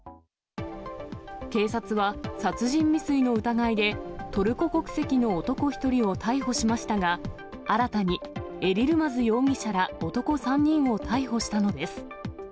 警察は殺人未遂の疑いで、トルコ国籍の男１人を逮捕しましたが、新たにエリルマズ容疑者ら男３人を逮捕したのです。